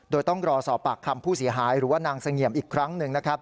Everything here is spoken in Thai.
โดยต้องรอสอบปากคำผู้เสียหายหรือว่านางเสงี่ยมอีกครั้งหนึ่งนะครับ